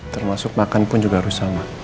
termasuk makan pun juga harus sama